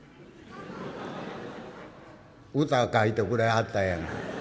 「歌書いてくれはったんやがな」。